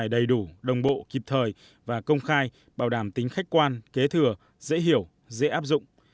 bảng giá này đầy đủ đồng bộ kịp thời và công khai bảo đảm tính khách quan kế thừa dễ hiểu dễ áp dụng